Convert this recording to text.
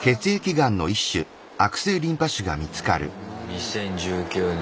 ２０１９年。